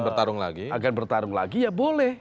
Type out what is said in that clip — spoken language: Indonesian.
bertarung lagi akan bertarung lagi ya boleh